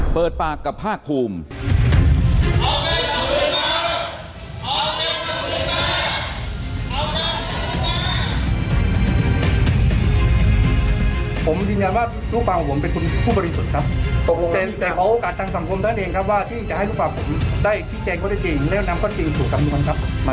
เปิดปากกับภาคภูมิ